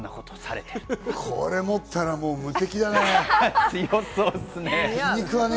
これ持ったら無敵だね。